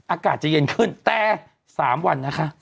อากาศจะเย็นขึ้นแต่๓วันนะคะ